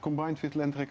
ya terlihat sangat bagus